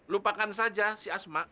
lupakan saja si asma